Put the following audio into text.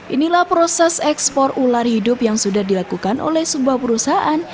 inilah proses ekspor ular hidup yang sudah dilakukan oleh sebuah perusahaan